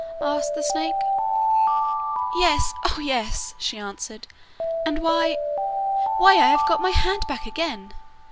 asked the snake. 'Yes, oh, yes!' she answered, 'and, why why I have got my hand back again!